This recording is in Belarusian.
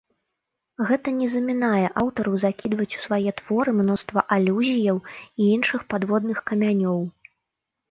Гэта не замінае аўтару закідваць у свае творы мноства алюзіяў і іншых падводных камянёў.